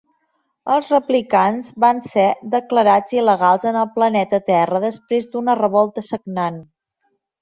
Els replicants van ser declarats il·legals en el planeta Terra després d'una revolta sagnant.